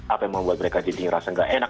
apa yang membuat mereka jadi ngerasa gak enak